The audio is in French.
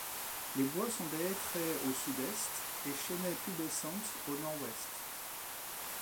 Les bois sont des hêtraies au sud-est et chênaies pubescentes au nord-ouest.